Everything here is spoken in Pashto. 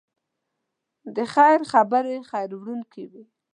د خیر خبرې خیر راوړونکی وي.